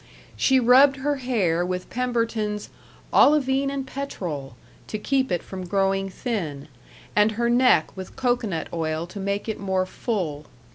She rubbed her hair with Pemberton's "Olivine and Petrol" to keep it from growing thin, and her neck with cocoanut oil to make it more full.